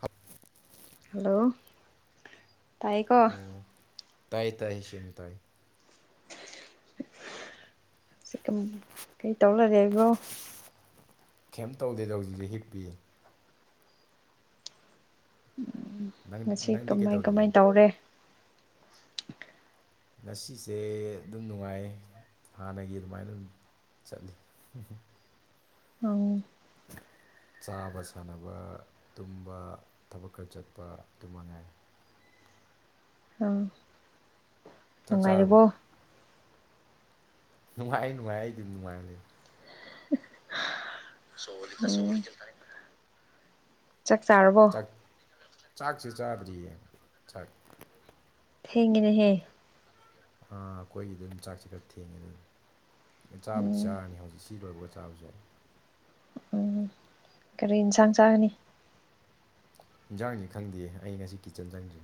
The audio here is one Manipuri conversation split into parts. ꯍꯞ [inaudible] ꯍꯜꯂꯣ ꯇꯥꯏꯀꯣ ꯑꯣ ꯇꯥꯏ ꯇꯥꯏ ꯑꯩ ꯁꯦꯡꯅ ꯇꯥꯏ ꯁꯤ ꯀꯩꯇꯧ ꯂꯩꯔꯤꯕꯣ ꯀꯩꯝꯇ ꯇꯧꯗꯦꯗ ꯍꯧꯖꯤꯛꯁꯦ ꯍꯤꯞꯄꯤꯌꯦ ꯅꯪ ꯉꯁꯤ ꯅꯪꯗꯤ ꯀꯃꯥꯏ ꯀꯩꯗꯧꯔꯤꯒꯦ ꯀꯃꯥꯏ ꯇꯧꯔꯦ ꯉꯁꯤꯁꯦ ꯑꯗꯨꯝ ꯅꯨꯡꯉꯥꯏꯌꯦ ꯍꯥꯟꯅꯒꯤ ꯑꯗꯨꯃꯥꯏꯅ ꯑꯗꯨꯝ ꯆꯠꯂꯤ ꯑꯪ ꯆꯥꯕ ꯁꯥꯟꯅꯕ ꯇꯨꯝꯕ ꯊꯕꯛ ꯈꯔ ꯆꯠꯄ ꯑꯗꯨ ꯃꯉꯥꯏ ꯑꯝ ꯆꯥꯛ ꯆꯥꯔꯕ ꯅꯨꯡꯉꯥꯏ ꯅꯨꯡꯉꯥꯏ ꯑꯩꯗꯤ ꯅꯨꯡꯉꯥꯏꯂꯩ ꯁꯣ ꯁꯣꯜ ꯆ ꯆꯥꯛ ꯆꯥꯔꯔꯕꯣ ꯆꯥꯛꯁꯤ ꯆꯥꯗ꯭ꯔꯤꯌꯦ ꯆꯥꯛ ꯊꯦꯡꯒꯦꯅꯦ ꯍꯦ ꯑꯥ ꯑꯩꯈꯣꯏꯒꯤꯗ ꯑꯗꯨꯝ ꯆꯥꯛꯁꯦ ꯈꯔ ꯊꯦꯡꯉꯦ ꯑꯗꯨꯒꯤꯅꯤ ꯆꯥꯕꯨꯗꯤ ꯎꯝ ꯆꯥꯔꯅꯤ ꯍꯧꯖꯤꯛ ꯁꯤ ꯂꯣꯏꯕꯒ ꯆꯥꯕꯁꯨ ꯌꯥꯏ ꯎꯝ ꯀꯔꯤ ꯏꯟꯁꯥꯡ ꯆꯥꯒꯅꯤ ꯏꯟꯖꯥꯡꯁꯤ ꯈꯪꯗꯦ ꯑꯩ ꯉꯁꯤ ꯀꯤꯠꯆꯟ ꯆꯪꯗ꯭ꯔꯤ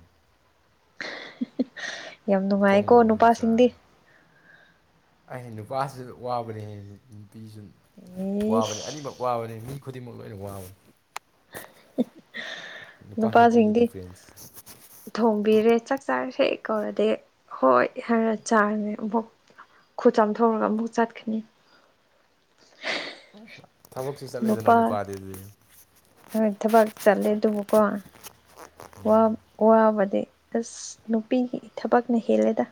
[unintelligible] ꯑꯊꯣꯡꯕ ꯃꯔꯝ ꯅꯨꯄꯥꯁꯤꯡꯗꯤ ꯆꯥꯔꯦ ꯑꯩ ꯅꯨꯄꯥꯁꯤꯁꯨ ꯋꯥꯕꯅꯦ ꯅꯨꯄꯤꯁꯨ ꯋꯥꯕꯅꯤ ꯏꯁ ꯑꯅꯤꯃꯛ ꯋꯥꯕꯅꯤ ꯃꯤ ꯈꯨꯗꯤꯡꯃꯛ ꯂꯣꯏꯅ ꯋꯥꯕꯅꯤ ꯅꯨꯄꯥꯁꯤꯡꯗꯤ ꯗꯤꯐ꯭ꯔꯦꯟꯁ ꯊꯣꯡꯕꯤꯔꯦ ꯆꯥꯛ ꯆꯥꯔꯁꯦ ꯀꯧꯔꯗꯤ ꯍꯣꯏ ꯍꯔ ꯆꯥꯔꯅꯦ ꯑꯃꯨꯛ ꯈꯨꯠ ꯆꯥꯝꯊꯣꯛꯔꯒ ꯑꯃꯨꯛ ꯆꯠꯀꯅꯤ ꯊꯕꯛꯁꯨ ꯆꯠꯂꯤꯗꯅ ꯅꯨꯄꯥ ꯅꯨꯄꯥꯗꯤꯗꯨ ꯍꯣꯏ ꯊꯕꯛ ꯆꯠꯂꯦ ꯑꯗꯨꯕꯨꯀꯣ ꯋꯥꯕꯗꯤ ꯑꯁ ꯅꯨꯄꯤꯒꯤ ꯊꯕꯛꯅ ꯍꯦꯜꯂꯦꯗ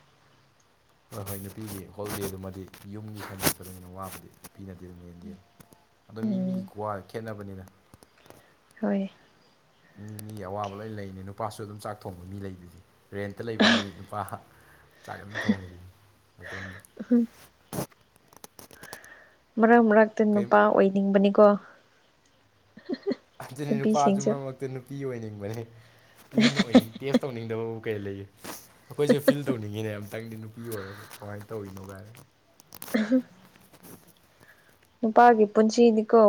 ꯍꯣꯏ ꯍꯣꯏ ꯅꯨꯄꯤꯒꯤ ꯍꯣꯂꯤꯗꯦꯗꯨꯃꯗꯤ ꯌꯨꯝꯒꯤ ꯍꯟꯗ ꯑꯣꯏꯅ ꯋꯥꯕꯗꯤ ꯅꯨꯄꯤꯅꯗꯤ ꯑꯗꯨꯝ ꯍꯦꯟꯗꯤ ꯑꯗꯣ ꯃꯤ ꯃꯤꯒꯤ ꯎꯝ ꯀ꯭ꯋꯥ ꯈꯦꯠꯅꯕꯅꯤꯅ ꯍꯣꯏ ꯃꯤ ꯃꯤꯒꯤ ꯑꯋꯥꯕ ꯂꯣꯏ ꯂꯩꯅꯤ ꯅꯨꯄꯥꯁꯨ ꯑꯗꯨꯝ ꯆꯥꯛ ꯊꯣꯡꯕ ꯃꯤ ꯂꯩꯗꯨꯏꯗꯤ ꯔꯦꯟꯇ ꯂꯩꯕ ꯃꯤ ꯅꯨꯄꯥ ꯆꯥꯛ ꯌꯥꯝ ꯊꯣꯡꯉꯤꯗꯨꯅꯤ ꯃꯇꯣꯝꯗ ꯍꯝ ꯃꯔꯛ ꯃꯔꯛꯇ ꯀꯩꯝ ꯅꯨꯄꯥ ꯑꯣꯏꯅꯤꯡꯕꯅꯤꯀꯣ ꯑꯗꯨꯅꯤ ꯅꯨꯄꯥꯗꯨ ꯅꯨꯄꯤꯁꯤꯡꯁꯨ ꯃꯔꯛ ꯃꯔꯛꯇ ꯅꯨꯄꯤ ꯑꯣꯏꯅꯤꯡꯕꯅꯦ ꯃꯤꯅ ꯑꯣꯏꯅꯤꯡ ꯇꯦꯁ ꯇꯧꯅꯤꯡꯗꯕꯕꯨ ꯀꯩ ꯂꯩꯒ ꯑꯩꯈꯣꯏꯁꯨ ꯐꯤꯜ ꯇꯧꯅꯤꯡꯉꯦ ꯃꯤꯅ ꯑꯝꯇꯪꯗꯤ ꯅꯨꯄꯤ ꯑꯣꯏꯔꯒ ꯀꯃꯥꯏꯅ ꯇꯧꯔꯤꯅꯣ ꯀꯥꯏꯅ [unintelligible] ꯅꯨꯄꯥꯒꯤ ꯄꯨꯟꯁꯤꯅꯤꯀꯣ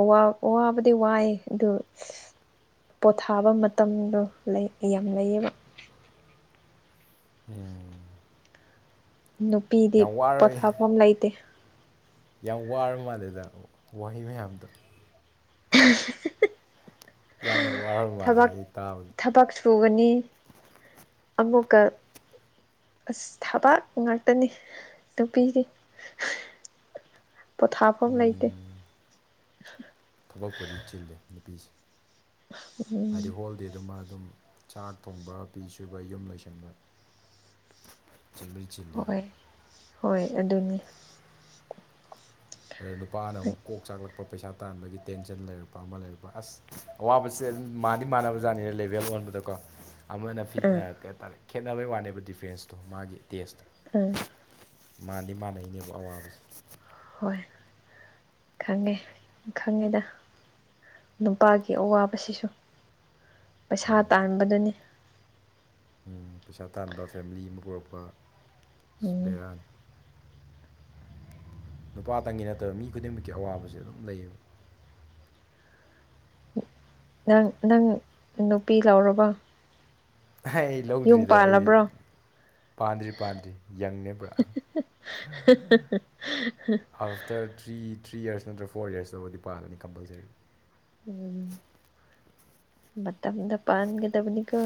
ꯋꯥꯕꯗꯤ ꯋꯥꯏꯑ ꯑꯗꯨ ꯄꯣꯊꯥꯕ ꯃꯇꯝꯗꯣ ꯂꯩ ꯌꯥꯝ ꯂꯩꯌꯦꯕ ꯎꯝ ꯅꯨꯄꯤꯗꯤ ꯌꯥꯝ ꯋꯥꯔꯣꯏ ꯄꯣꯊꯥꯐꯝ ꯂꯩꯇꯦ ꯌꯥꯝ ꯋꯥꯔꯕ ꯃꯥꯜꯂꯦꯗ ꯋꯥꯍꯩ ꯃꯌꯥꯝꯗꯣ [unintelligible] ꯌꯥꯝꯅ ꯋꯥꯔꯕ ꯃꯥꯜꯂꯦ ꯑꯩ ꯇꯥꯕꯗ ꯆꯨꯒꯅꯤ ꯑꯃꯨꯛꯀ ꯑꯁ ꯊꯕꯥꯛ ꯉꯥꯛꯇꯅꯤ ꯅꯨꯄꯤꯖꯦ ꯄꯣꯊꯥꯐꯝ ꯂꯩꯇꯦ ꯎꯝ ꯊꯕꯛꯄꯨꯗꯤ ꯆꯤꯜꯂꯦ ꯅꯨꯄꯤꯁꯦ ꯍꯥꯏꯗꯤ ꯎꯝ ꯍꯣꯜꯗꯦꯗꯨꯃ ꯑꯗꯨꯝ ꯆꯥꯛ ꯊꯣꯡꯕ ꯐꯤ ꯁꯨꯕ ꯌꯨꯝ ꯂꯩꯁꯟꯕ [unintelligible] ꯍꯣꯏ ꯍꯣꯏ ꯑꯗꯨꯅꯤ ꯑ ꯅꯨꯄꯥꯅ ꯑꯃꯨꯛ ꯀꯣꯛ ꯆꯥꯛꯂꯛꯄ ꯄꯩꯁꯥ ꯇꯥꯟꯕꯒꯤ ꯇꯦꯟꯁꯟ ꯂꯩꯔꯛꯄ ꯑꯃ ꯂꯩꯔꯛꯄ ꯑꯁ ꯑꯋꯥꯕꯁꯦ ꯑꯗꯨꯝ ꯃꯥꯗꯤ ꯃꯥꯟꯅꯕꯖꯥꯠꯅꯤꯅ ꯂꯦꯚꯦꯜ ꯑꯣꯟꯕꯗꯀꯣ ꯑꯃꯅ ꯐꯤ ꯎꯝ ꯑ ꯀꯩ ꯍꯥꯏꯇꯥꯔꯦ ꯈꯦꯠꯅꯕꯩ ꯋꯥꯅꯦꯕ ꯗꯤꯐ꯭ꯔꯦꯟꯁꯇꯣ ꯃꯥꯒꯤ ꯇꯦꯁꯇꯣ ꯎꯝ ꯃꯥꯟꯗꯤ ꯃꯥꯟꯅꯩꯅꯦꯕ ꯑꯋꯥꯕꯁꯦ ꯍꯣꯏ ꯈꯪꯉꯦ ꯈꯪꯉꯦꯗ ꯅꯨꯄꯥꯒꯤ ꯑꯋꯥꯕꯁꯤꯁꯨ ꯄꯩꯁꯥ ꯇꯥꯟꯕꯗꯨꯅꯤ ꯎꯝ ꯄꯩꯁꯥ ꯇꯥꯟꯕ ꯐꯦꯃꯤꯂꯤ ꯑꯃ ꯄꯨꯔꯛꯄ ꯎꯝ ꯕꯦꯔꯥꯅꯤ ꯅꯨꯄꯥꯇꯪꯒꯤ ꯅꯠꯇꯕ ꯃꯤ ꯈꯨꯗꯤꯡꯃꯛꯀꯤ ꯑꯋꯥꯕꯁꯦ ꯑꯗꯨꯝ ꯂꯩꯌꯦꯕ ꯅꯪ ꯅꯪ ꯅꯨꯄꯤ ꯂꯥꯎꯔꯕ ꯑꯍꯩ ꯂꯧꯗ꯭ꯔꯤꯗ ꯑꯩꯗꯤ ꯄꯥꯜꯂꯕ꯭ꯔꯣ ꯄꯥꯟꯗ꯭ꯔꯤ ꯄꯥꯟꯗ꯭ꯔꯤ ꯌꯪꯅꯦ ꯄꯨꯔꯥ up after three three years ꯅꯠꯇ꯭ꯔ ꯐꯣꯔ ꯏꯌꯔꯁ ꯇꯕꯨꯗꯤ ꯄꯥꯜꯂꯅꯤ ꯀꯝꯄꯜꯁꯔꯤ ꯎꯝ ꯃꯇꯝꯗ ꯄꯥꯟꯒꯗꯕꯅꯤꯀꯣ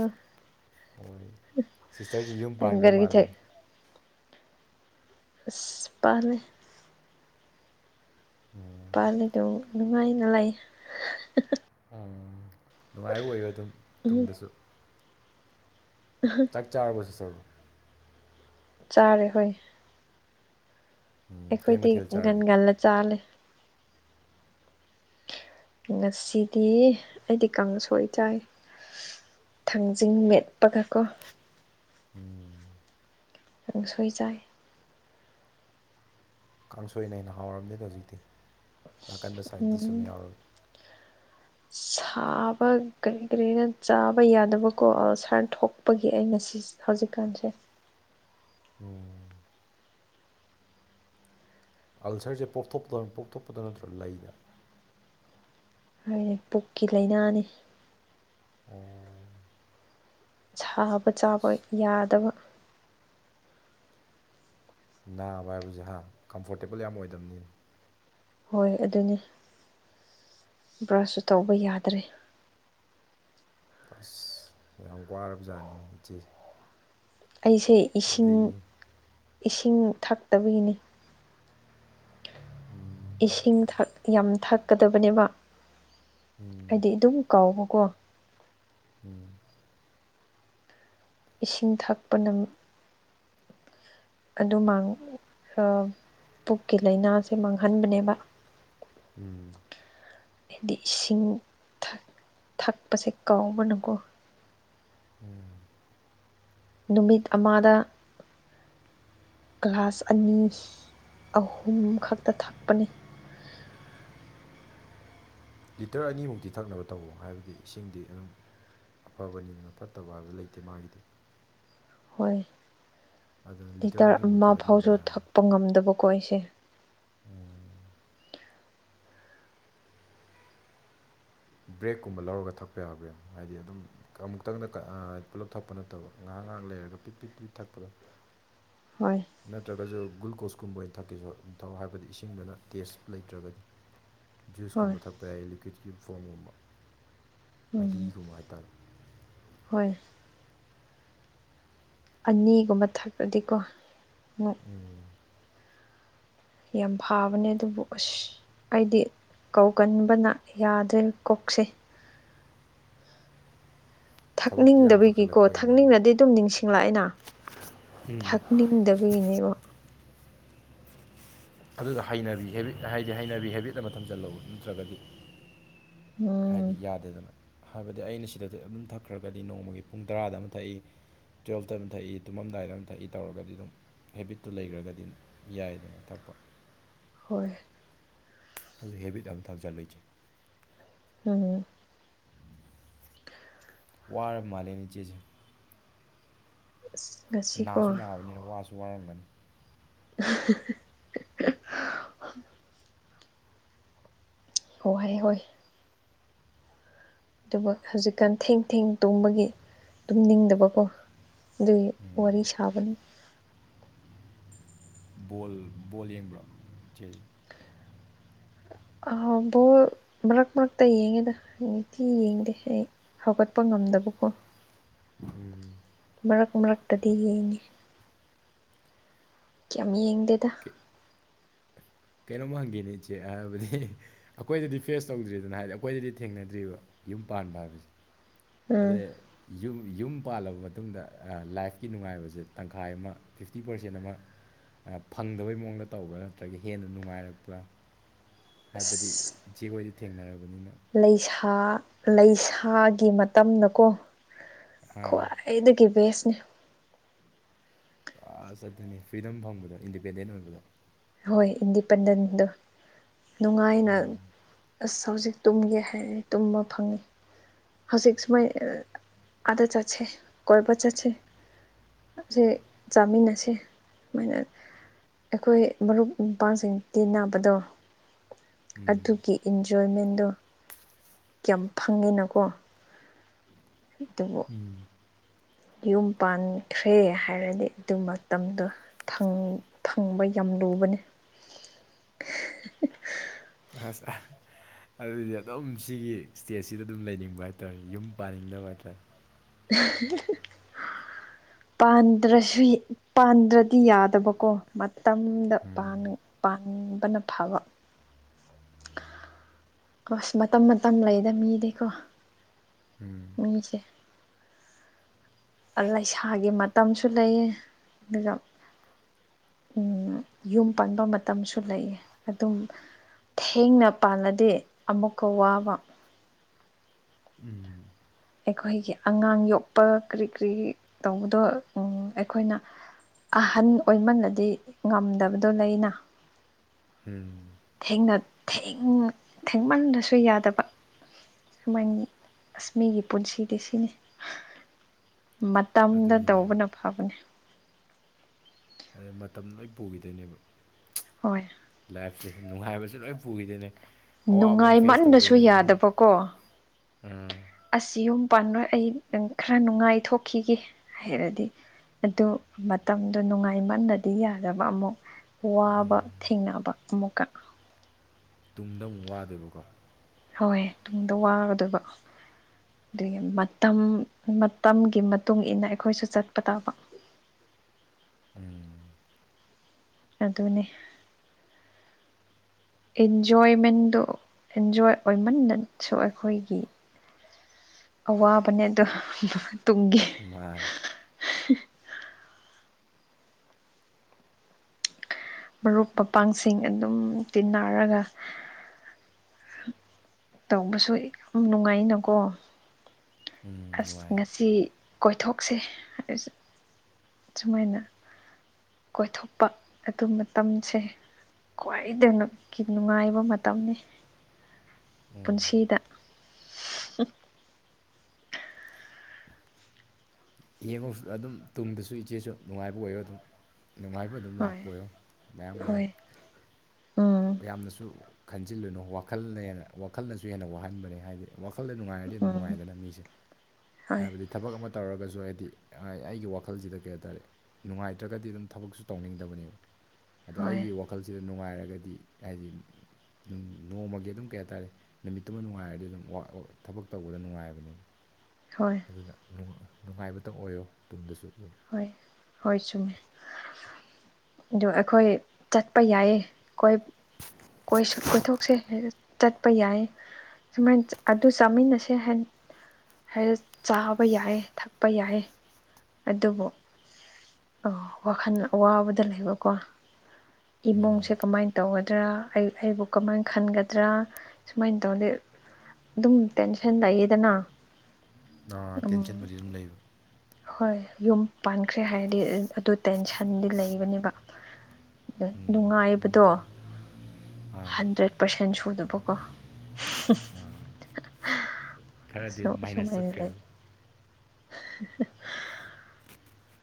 ꯍꯣꯏ ꯁꯤꯁꯇꯔꯁꯤ ꯌꯨꯝ ꯅꯪ ꯄꯥꯟꯒ꯭ꯔ ꯒꯥꯔꯤ ꯃꯥꯜꯂꯦꯅꯦ ꯑꯁ ꯄꯥꯜꯂꯦ ꯑꯣꯝ [unintelligible] ꯄꯥꯂꯤꯗꯣ ꯅꯨꯡꯉꯥꯏꯅ ꯂꯩ ꯎꯝ ꯅꯨꯡꯉꯥꯏꯕ ꯑꯣꯏꯌꫭ ꯑꯗꯨꯝ ꯇꯨꯡꯗꯁꯨ ꯎ [unintelligible] ꯆꯔꯕꯣ [unintelligible] ꯆꯥꯔꯦ ꯍꯣꯏ ꯎꯝ ꯀꯩ ꯑꯩꯈꯣꯏꯗꯤ ꯃꯊꯦꯜ ꯒꯟ ꯆꯥꯔꯒꯦ ꯉꯂ ꯆꯥꯂꯦ ꯉꯁꯤꯗꯤ ꯑꯩꯗꯤ ꯀꯥꯡꯁꯣꯏ ꯆꯥꯏ ꯊꯥꯡꯖꯤꯡ ꯃꯦꯠꯄꯒꯀꯣ ꯎꯝ ꯀꯥꯡꯁꯣꯏꯆꯥꯏ ꯀꯥꯡꯁꯣꯏꯅ ꯍꯦꯟꯅ ꯍꯥꯎꯔꯝꯅꯤꯗ ꯍꯧꯖꯤꯛꯇꯤ ꯅꯥꯀꯟꯗ ꯁꯥꯏꯠ ꯗꯤꯖ ꯎꯝ ꯑꯃ ꯌꯥꯎꯔꯒ ꯁꯥꯕ ꯀꯔꯤ ꯀꯔꯤꯅ ꯆꯥꯕ ꯌꯥꯗꯕꯀꯣ ꯑꯜꯁꯥꯔ ꯊꯣꯛꯄꯒꯤ ꯑꯩꯅ ꯁꯤ ꯍꯧꯖꯤꯛꯀꯥꯟꯁꯦ ꯎꯝ ꯑꯜꯁꯔꯁꯦ ꯄꯣꯛꯊꯣꯛꯄꯗꯧ ꯄꯣꯛꯊꯣꯛꯄꯗꯣ ꯅꯠꯇ꯭ꯔ ꯂꯩꯗ ꯎꯝ ꯄꯨꯛꯀꯤ ꯂꯥꯏꯅꯥꯅꯤ ꯑꫭ ꯁꯥꯕ ꯆꯥꯕ ꯑꯁ ꯌꯥꯗꯕ ꯅꯥꯕ ꯍꯥꯏꯕꯁꯦ ꯍꯥ ꯀꯝꯐꯣꯔꯇꯦꯕꯜ ꯌꯥꯝ ꯑꯣꯏꯗꯕꯅꯤ ꯍꯣꯏ ꯑꯗꯨꯅꯤ ꯕ꯭ꯔꯁꯁꯨ ꯇꯧꯕ ꯌꯥꯗ꯭ꯔꯦ ꯑꯁ ꯌꯥꯝ ꯋꯥꯔꯕꯖꯥꯠꯅꯤꯅꯦ ꯏꯆꯦꯁꯦ ꯑꯩꯁꯦ ꯏꯁꯤꯡ ꯑꯗꯒꯤ ꯏꯁꯤꯡ ꯊꯛꯇꯕꯒꯤꯅꯤ ꯏꯁꯤꯡ ꯊꯛ ꯌꯥꯝ ꯊꯛꯀꯗꯕꯅꯦꯕ ꯎꯝ ꯎꯝ ꯑꯩꯗꯤ ꯑꯗꯨꯝ ꯀꯥꯎꯕꯀꯣ ꯎꯝ ꯏꯁꯤꯡ ꯊꯛꯄꯅꯄ ꯑꯗꯨ ꯃꯥꯡ [unintelligible] ꯄꯨꯛꯀꯤ ꯂꯥꯏꯅꯥꯁꯦ ꯃꯥꯡꯍꯟꯕꯅꯦꯕ ꯎꯝ ꯍꯥꯏꯗꯤ ꯏꯁꯤꯡ ꯊꯛ ꯊꯛꯄꯁꯦ ꯀꯥꯎꯕꯅꯀꯣ ꯎꯝ ꯅꯨꯃꯤꯠ ꯑꯃꯥꯗ ꯒꯂ꯭ꯥꯁ ꯑꯅꯤ ꯑꯍꯨꯝ ꯈꯛꯇ ꯊꯛꯄꯅꯤ ꯂꯤꯇꯔ ꯑꯅꯤꯃꯨꯛꯇꯤ ꯊꯛꯅꯕ ꯇꯧ ꯍꯥꯏꯕꯗꯤ ꯏꯁꯤꯡꯗꯤ ꯑꯗꯨꯝ ꯑꯐꯥꯕꯅꯤꯗꯅ ꯐꯠꯇꯕ ꯍꯥꯏꯕ ꯂꯩꯇꯦ ꯃꯥꯒꯤꯗꯤ ꯍꯣꯏ ꯑꯗꯨꯅ ꯂꯤꯇꯔ ꯑꯅꯤꯃꯨꯛ ꯑꯃ ꯊꯛꯑꯗꯤ ꯑꯗꯨꯝ ꯐꯥꯎꯁꯨ ꯌꯥꯔꯦ ꯊꯛꯄ ꯉꯝꯗꯕꯀꯣ ꯑꯩꯁꯦ ꯎꯝ ꯕ꯭ꯔꯦꯛꯀꯨꯝꯕ ꯂꯧꯔꯒ ꯊꯛꯄ ꯌꯥꯕ꯭ꯔꯥ ꯌꯦꯡꯉꯨ ꯍꯥꯏꯗꯤ ꯑꯗꯨꯝ ꯑꯃꯨꯛꯇꯪꯗ ꯀꯥ ꯑꯥ ꯄꯨꯂꯞ ꯊꯛꯄ ꯅꯠꯇꯕ ꯉꯥꯏꯍꯥꯛ ꯉꯥꯏꯍꯥꯛ ꯂꯩꯔꯒ ꯄꯤꯠ ꯄꯤꯠ ꯄꯤꯠ ꯊꯛꯄꯗꯣ ꯍꯣꯏ ꯅꯠꯇ꯭ꯔꯒꯁꯨ ꯒ꯭ꯂꯨꯀꯣꯁꯀꯨꯝꯕ ꯑꯣꯏꯅ ꯊꯛꯀꯦꯁꯨ ꯑꯗꯨꯝ ꯊꯛꯑꯣ ꯍꯥꯏꯕꯗꯤ ꯏꯁꯤꯡꯗꯅ ꯇꯦꯁ ꯂꯩꯇ꯭ꯔꯒꯗꯤ ꯍꯣꯏ ꯖꯨꯁꯀꯨꯝꯕ ꯊꯛꯄ ꯌꯥꯏ ꯂꯤꯀ꯭ꯋꯤꯠꯀꯤ ꯐꯣꯝꯒꯨꯝꯕ ꯎꯝ ꯃꯍꯤꯒꯨꯝꯕ ꯍꯥꯏꯇꯥꯔꯦ ꯍꯣꯏ ꯑꯅꯤꯒꯨꯝꯕ ꯊꯛꯔꯗꯤꯀꯣ ꯎꯝ ꯌꯥꯝ ꯐꯥꯕꯅꯦ ꯑꯗꯨꯕꯨ ꯑꯁ ꯑꯩꯗꯤ ꯀꯥꯎꯒꯟꯕꯅ ꯌꯥꯗ꯭ꯔꯦ ꯀꯣꯛꯁꯦ ꯊꯕꯛꯇꯤ ꯌꯥꯝ ꯊꯛꯅꯤꯡꯗꯕꯒꯤꯀꯣ ꯇꯧꯁꯜꯂꯛꯄꯩꯅꯤ ꯊꯛꯅꯤꯡꯉꯗꯤ ꯑꯗꯨꯝ ꯅꯤꯡꯁꯤꯡꯂꯛꯑꯦꯅ ꯎꯝ ꯊꯛꯅꯤꯡꯗꯕꯒꯤꯅꯦꯕ ꯑꯗꯨꯗꯣ ꯍꯩꯅꯕꯤ ꯍꯦꯕꯤꯠ ꯍꯥꯏꯗꯤ ꯍꯩꯅꯕꯤ ꯍꯦꯕꯤꯠ ꯑꯃ ꯊꯝꯖꯤꯜꯂꯣꯕ ꯅꯠꯇ꯭ꯔꯒꯗꯤ ꯎꯝ ꯍꯥꯏꯗꯤ ꯌꯥꯗꯦꯗꯅ ꯍꯥꯏꯕꯗꯤ ꯑꯩꯅ ꯁꯤꯗ ꯑꯗꯨꯝ ꯊꯛꯈ꯭ꯔꯒꯗꯤ ꯅꯣꯡꯃꯒꯤ ꯄꯨꯡ ꯇꯔꯥꯗ ꯑꯃ ꯊꯛꯏ ꯇꯨꯌꯦꯜꯐꯇ ꯑꯃ ꯊꯛꯏ ꯇꯨꯝꯃꯝꯗꯥꯏꯗ ꯑꯃ ꯊꯛꯏ ꯇꯧꯔꯒꯗꯤ ꯑꯗꯨꯝ ꯍꯦꯕꯤꯠꯇꯨ ꯂꯩꯒ꯭ꯔꯥꯒꯗꯤ ꯌꯥꯏꯗꯅ ꯊꯛꯄ ꯍꯣꯏ ꯑꯗꯨ ꯍꯦꯕꯤꯠ ꯑꯃ ꯊꯥꯝꯖꯤꯜꯂꯨ ꯏꯖꯦ ꯎꯝ ꯋꯥꯔꯥ ꯃꯥꯜꯂꯦꯅꯦ ꯏꯆꯦꯖꯦ ꯑꯁ ꯉꯁꯤꯀꯣ ꯅꯥꯁꯨ ꯅꯥꯕꯅꯤꯅ ꯋꯥꯁꯨ ꯋꯥꯔꯝꯒꯅꯤ [unintelligible] ꯍꯣꯏ ꯍꯣꯏ ꯑꯗꯨꯕꯨ ꯍꯧꯖꯤꯛꯀꯥꯟ ꯊꯦꯡ ꯊꯦꯡ ꯇꯨꯝꯕꯒꯤ ꯇꯨꯝ ꯅꯤꯡꯗꯕꯀꯣ ꯑꯗꯨꯒꯤ ꯋꯥꯔꯤ ꯁꯥꯥꯕꯅꯤ ꯕꯣꯜ ꯕꯣꯜ ꯌꯦꯡꯕ꯭ꯔꯣ ꯏꯆꯦꯖꯦ ꯕꯣꯜꯗꯣ ꯃꯔꯛ ꯃꯔꯛꯇ ꯌꯦꯡꯉꯦꯗ ꯅꯤꯡꯇꯤ ꯌꯦꯡꯗꯦ ꯑꯩ ꯍꯧꯒꯠꯄ ꯉꯝꯗꯕꯀꯣ ꯎꯝ ꯃꯔꯛ ꯃꯔꯛꯇꯗꯤ ꯌꯦꯡꯉꯤ ꯌꯥꯝ ꯌꯦꯡꯗꯦꯗ [inaudible] ꯀꯩꯅꯣꯃ ꯍꯪꯒꯦꯅꯦ ꯏꯆꯦ ꯍꯥꯏꯕꯗꯤ ꯑꯩꯈꯣꯏꯗꯗꯤ ꯐꯦꯁ ꯇꯧꯗ꯭ꯔꯤꯗꯅ ꯍꯥꯏꯗꯤ ꯑꯩꯈꯣꯏꯗꯗꯤ ꯊꯦꯡꯅꯗ꯭ꯔꯤꯕ ꯌꯨꯝ ꯄꯥꯟꯕ ꯍꯥꯏꯕꯁꯦ ꯑꯗ ꯎꯝ ꯌꯨꯝ ꯌꯨꯝ ꯄꯥꯜꯂꯕ ꯃꯇꯨꯡꯗ ꯂꯥꯏꯐꯀꯤ ꯅꯨꯡꯉꯥꯏꯕꯁꯦ ꯇꯪꯈꯥꯏ ꯑꯃ ꯐꯤꯐꯇꯤ ꯄꯥꯔꯁꯦꯟ ꯑꯃ ꯐꯪꯗꯕꯩ ꯃꯑꯣꯡꯗ ꯇꯧꯕ꯭ꯔꯥ ꯅꯠꯇ꯭ꯔꯒ ꯍꯦꯟꯅ ꯅꯨꯡꯉꯥꯏꯔꯛꯄ꯭ꯔꯥ ꯍꯥꯏꯕꯗꯤ ꯑꯁ ꯏꯆꯦ ꯍꯣꯏꯗꯤ ꯊꯦꯡꯅꯔꯕꯅꯤꯅ ꯂꯩꯁꯥ ꯂꯩꯁꯥꯒꯤ ꯃꯇꯝꯅꯀꯣ ꯑꯥ ꯈ꯭ꯋꯥꯏ ꯗꯒꯤ ꯕꯦꯁꯅꯦ ꯑꯥꯁ ꯑꯗꯨꯅꯤ ꯐ꯭ꯔꯤꯗꯝ ꯐꯪꯕꯗꯨ ꯏꯟꯗꯤꯄꯦꯟꯗꯦꯟ ꯑꯣꯏꯕꯗꯨ ꯍꯣꯏ ꯏꯟꯗꯤꯄꯦꯟꯗꯦꯟꯗꯣ ꯅꯨꯡꯉꯥꯏꯅ ꯎꯝ ꯑꯁ ꯍꯧꯖꯤꯛ ꯇꯨꯝꯒꯦ ꯍꯥꯏꯔꯦ ꯇꯨꯝꯕ ꯐꯪꯉꯤ ꯍꯧꯖꯤꯛ ꯁꯨꯃꯥꯏ ꯑꯥꯗ ꯆꯠꯁꯦ ꯀꫭꯏꯕ ꯆꯠꯁꯦ ꯑꯁꯤ ꯆꯥꯃꯤꯟꯅꯁꯤ ꯁꯨꯃꯥꯏꯅ ꯑꯩꯈꯣꯏ ꯃꯔꯨꯞ ꯃꯄꯥꯡꯁꯤꯡ ꯇꯤꯟꯅꯕꯗꯣ ꯎꯝ ꯑꯗꯨꯒꯤ ꯏꯟꯖꯣꯏꯃꯦꯟꯗꯣ ꯀꯌꯥꯝ ꯐꯪꯉꯦꯅꯀꯣ [inaudible] ꯑꯗꯨꯕꯨ ꯎꯝ ꯌꯨꯝ ꯄꯥꯟꯈ꯭ꯔꯦ ꯍꯥꯏꯔꯗꯤ ꯑꯗꯨ ꯃꯇꯝꯗꯣ ꯐꯪ ꯐꯪꯕ ꯌꯥꯝ ꯂꯨꯕꯅꯤ ꯑꯁ ꯑ ꯑꯗꯨꯗꯤ ꯑꯗꯨꯝ ꯁꯤꯒꯤ ꯁ꯭ꯇꯦꯖꯁꯤꯗ ꯑꯗꯨꯝ ꯂꯩꯅꯤꯡꯕ ꯍꯥꯏꯇꯥꯥꯔꯦ ꯌꯨꯝ ꯄꯥꯅꯤꯡꯗꯕ ꯍꯥꯏꯇꯥꯥꯔꯦ [unintelligible] ꯄꯥꯟꯗ꯭ꯔꯁꯨ ꯄꯥꯟꯗ꯭ꯔꯗꯤ ꯌꯥꯗꯕꯀꯣ ꯃꯇꯝꯗ ꯄꯥꯟꯕꯅ ꯐꯕ ꯑꯁ ꯃꯇꯝ ꯃꯇꯝ ꯂꯩꯗ ꯃꯤꯗꯤꯀꯣ ꯎꯝ [unintelligible] ꯂꯩꯁꯥꯒꯤ ꯃꯇꯝꯁꯨ ꯂꯩꯌꯦ ꯑꯗꯨꯒ ꯌꯨꯝ ꯄꯥꯟꯕꯟꯕ ꯃꯇꯝꯁꯨ ꯂꯩꯌꯦ ꯑꯗꯨꯝ ꯊꯦꯡꯅ ꯄꯥꯜꯂꯗꯤ ꯑꯃꯨꯛꯀ ꯋꯥꯕ ꯎꯝ ꯑꯩꯈꯣꯏꯒꯤ ꯑꯉꯥꯡ ꯌꯣꯛꯄ ꯀ꯭ꯔꯤ ꯀ꯭ꯔꯤ ꯇꯧꯕꯗꯣ ꯑꯩꯈꯣꯏꯅ ꯑꯍꯟ ꯑꯣꯏꯃꯜꯂꯗꯤ ꯉꯝꯗꯕꯗꯣ ꯂꯩꯅ ꯎꯝ ꯊꯦꯡꯅ ꯊꯦꯡ ꯊꯦꯡꯃꯟꯔꯁꯨ ꯌꯥꯗꯕ ꯁꯨꯃꯥꯏꯅꯤ ꯑꯁ ꯃꯤꯒꯤ ꯄꯨꯟꯁꯤꯗꯤ ꯁꯤꯅꯤ ꯃꯇꯝꯗ ꯑꯗꯨꯅꯤꯅꯦ ꯇꯧꯕꯅ ꯐꯕꯅꯦ ꯑꯗ ꯃꯇꯝꯅ ꯂꯣꯏ ꯄꯨꯈꯤꯗꯣꯏꯅꯦꯕ ꯍꯣꯏ ꯂꯥꯏꯐꯁꯦ ꯅꯨꯡꯉꯥꯏꯕꯁꯦ ꯂꯣꯏ ꯄꯨꯈꯤꯗꯣꯏꯅꯦ ꯑꯋꯥꯕ ꯑꯃꯨꯛ ꯅꯨꯡꯉꯥꯏ ꯐꯦꯁ ꯃꯟꯅꯁꯨ ꯇꯧꯗꯣꯏꯅꯦ ꯌꯥꯗꯕꯀꯣ ꯑꯥ ꯑꯁ ꯌꯨꯝ ꯄꯥꯟꯂꯣꯏ ꯑꯩ ꯈꯔ ꯅꯨꯡꯉꯥꯏ ꯊꯣꯛꯈꯤꯒꯦ ꯍꯥꯏꯔꯗꯤ ꯑꯗꯨ ꯃꯇꯝꯗꯣ ꯅꯨꯡꯉꯥꯏꯃꯟꯗꯗꯤ ꯌꯥꯗꯕ ꯑꯃꯨꯛ ꯋꯥꯕ ꯊꯦꯡꯅꯕ ꯑꯃꯨꯛꯀ ꯇꯨꯡꯗ ꯑꯃꯨꯛ ꯋꯥꯗꯨꯏꯕꯀꯣ ꯍꯣꯏ ꯇꯨꯡꯗ ꯋꯥꯒꯗꯣꯏꯕ ꯑꯗꯨꯏꯒꯤ ꯃꯇꯝ ꯃꯇꯝꯒꯤ ꯃꯇꯨꯡ ꯏ ꯃꯇꯨꯡꯏꯟꯅ ꯑꯩꯈꯣꯏꯁꯨ ꯆꯠꯄ ꯇꯥꯕ ꯎꯝ ꯑꯗꯨꯅꯦ ꯑꯦꯟꯖꯣꯏꯃꯦꯟꯗꯨ ꯑꯦꯟꯖꯣꯏ ꯑꯣꯏꯃꯟꯅꯁꯨ ꯑꯩꯈꯣꯏꯒꯤ ꯑꯋꯥꯕꯅꯦ ꯑꯗꯣ ꯇꯨꯡꯒꯤ ꯃꯥꯟ ꯃꯔꯨꯞ ꯃꯄꯥꯡꯁꯤꯡ ꯑꯗꯨꯝ ꯇꯤꯟꯅꯔꯒ ꯇꯧꯕꯁꯨ ꯌꯥꯝ ꯅꯨꯡꯉꯥꯏꯅꯀꯣ ꯎꯝ ꯑꯁ ꯅꯨꯡꯉꯥꯏ ꯉꯁꯤ ꯀꯣꯏꯊꯣꯛꯁꯦꯁ ꯑꯁ ꯁꯨꯃꯥꯏꯅ ꯀꯣꯏꯊꯣꯛꯄ ꯑꯗꯨ ꯃꯇꯝꯁꯦ ꯈ꯭ꯋꯥꯏꯗꯒꯤ ꯅꯨꯡꯉꯥꯏꯕ ꯃꯇꯝꯅꯤ ꯄꯨꯟꯁꯤꯗ ꯌꯦꯡꯉꯨ ꯑꯗꯨꯝ ꯇꯨꯡꯗꯁꯨ ꯏꯆꯦꯁꯨ ꯅꯨꯡꯉꯥꯏꯕ ꯑꯣꯏꯌꯣ ꯑꯗꯨꯝ ꯅꯨꯡꯉꯥꯏꯕ ꯑꯗꯨꯝ ꯍꯣꯏ ꯂꯥꯛꯄ ꯑꯣꯏꯌꯣ ꯃꯌꯥꯝ ꯃꯌꯥꯝ ꯍꯣꯏ ꯎꯝ ꯌꯥꯝꯅꯁꯨ ꯈꯟꯖꯤꯜꯂꯨꯅꯨ ꯋꯥꯈꯜꯅ ꯍꯦꯟꯅ ꯋꯥꯈꯜꯅꯁꯨ ꯍꯦꯟꯅ ꯋꯥꯍꯟꯕꯅꯤ ꯍꯥꯏꯗꯤ ꯋꯥꯈꯜꯗ ꯅꯨꯡꯉꯥꯏꯔꯗꯤ ꯎꯝ ꯅꯨꯡꯉꯥꯏꯗꯅ ꯃꯤꯁꯦ ꯍꯣꯏ ꯍꯥꯏꯕꯗꯤ ꯊꯕꯛ ꯑꯃ ꯇꯧꯔꯒꯁꯨ ꯍꯥꯏꯗꯤ ꯑꯩꯒꯤ ꯋꯥꯈꯜꯁꯤꯗ ꯀꯩ ꯍꯥꯏꯇꯥꯔꯦ ꯅꯨꯡꯉꯥꯏꯇ꯭ꯔꯒꯗꯤ ꯑꯗꯨꯝ ꯊꯕꯛꯁꯨ ꯇꯧꯅꯤꯡꯗꯕꯅꯦꯕ ꯑꯗꯣ ꯍꯣꯏ ꯑꯩꯒꯤ ꯋꯥꯈꯜꯁꯤꯗ ꯅꯨꯡꯉꯥꯏꯔꯒꯗꯤ ꯍꯥꯏꯗꯤ ꯍꯥꯏꯗꯤ ꯅꯣꯡꯃꯒꯤ ꯑꯗꯨꯝ ꯀꯩ ꯍꯥꯏꯇꯥꯔꯦ ꯅꯨꯃꯤꯠꯇꯨꯃ ꯅꯨꯡꯉꯥꯏꯔꯗꯤ ꯑꯗꯨꯝ ꯋꯥ ꯊꯕꯛ ꯇꯧꯕꯗ ꯅꯨꯡꯉꯥꯏꯕꯅꯦꯕ ꯍꯣꯏ ꯑꯗꯨꯅ ꯅꯨꯡꯉꯥꯏꯕꯇꯪ ꯑꯣꯏꯌꯣ ꯇꯨꯡꯗꯁꯨ ꯑꯗꯨꯝ ꯍꯣꯏ ꯍꯣꯏ ꯆꯨꯝꯃꯦ ꯑꯗꯨ ꯑꯩꯈꯣꯏ ꯆꯠꯄ ꯌꯥꯏꯌꯦ ꯀꯣꯏ ꯀꯣꯏ ꯁꯨꯠ ꯀꯣꯏꯊꯣꯛꯁꯦ ꯆꯠꯄ ꯌꯥꯏꯑꯦ ꯁꯨꯃꯥꯏꯅ ꯑꯗꯨ ꯆꯥꯃꯤꯟꯅꯁꯦ ꯍꯥꯏ ꯍꯥꯏꯗꯤ ꯆꯥꯕ ꯌꯥꯏꯑꯦ ꯊꯛꯄ ꯌꯥꯏ ꯑꯗꯨꯕꯨ ꯋꯥꯈꯜ ꯑꯋꯥꯕꯗ ꯂꯩꯕꯀꯣ ꯏꯃꯨꯡꯁꯦ ꯀꯃꯥꯏꯅ ꯇꯧꯒꯗ꯭ꯔꯥ ꯑꯩꯕꯨ ꯀꯃꯥꯏꯅ ꯈꯟꯒꯗ꯭ꯔꯥ ꯁꯨꯃꯥꯏꯅ ꯇꯧꯗꯤ ꯑꯗꯨꯝ ꯇꯦꯟꯁꯟ ꯂꯩꯌꯦꯗꯅ ꯑ ꯎꯝ ꯇꯦꯟꯁꯟꯕꯨꯗꯤ ꯑꯗꯨꯝ ꯂꯩꯕ ꯍꯣꯏ ꯌꯨꯝ ꯄꯥꯟꯈ꯭ꯔꯦ ꯍꯥꯏꯔꯗꯤ ꯑꯗꯨ ꯇꯦꯟꯁꯟꯗꯤ ꯂꯩꯕꯅꯦꯕ ꯅꯨꯡꯉꯥꯏꯕꯗꯣ ꯍꯟꯗ꯭ꯔꯦꯠ ꯄꯔꯁꯦꯟ ꯁꯨꯗꯕꯀꯣ ꯈꯔꯗꯤ ꯁꯨ ꯃꯥꯏꯅꯁ ꯁꯨꯃꯥꯏꯅ ꯂꯩ ꯆꯠꯈ꯭ꯔꯦꯕ